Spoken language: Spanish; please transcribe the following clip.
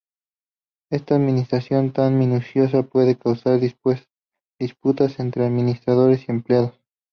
Esta administración tan minuciosa puede causar disputas entre administradores y empleados.